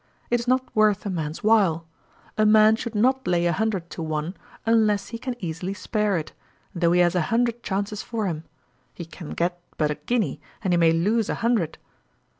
It is not worth a man's while. A man should not lay a hundred to one, unless he can easily spare it, though he has a hundred chances for him: he can get but a guinea, and he may lose a hundred.